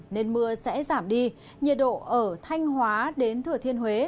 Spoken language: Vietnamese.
nên mưa sẽ giảm đi nhiệt độ ở thanh hóa đến thừa thiên huế